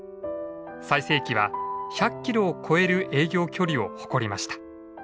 最盛期は１００キロを超える営業距離を誇りました。